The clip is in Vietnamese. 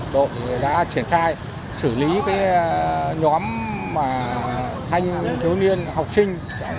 đội đã triển khai xử lý nhóm thanh thiếu niên học sinh